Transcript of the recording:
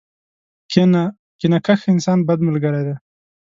کینه کښ انسان ، بد ملګری دی.